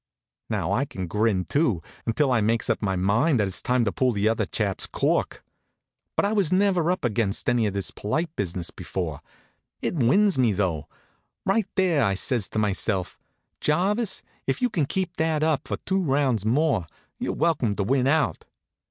Now, I can grin, too, until I makes up my mind that it's time to pull the other chap's cork. But I was never up against any of this polite business before. It wins me, though. Right there I says to myself: "Jarvis, if you can keep that up for two rounds more, you're welcome to win out."